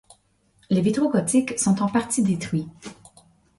Les vitraux gothiques sont en partie détruits.